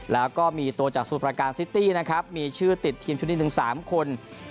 แล้วก็มีตัวจากสมุทรประการซิตี้นะครับมีชื่อติดทีมชุดนี้ถึง๓คน